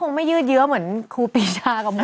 คงไม่ยืดเยอะเหมือนครูปีชากับมั